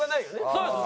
そうです。